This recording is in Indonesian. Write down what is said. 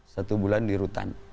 satu bulan di rutan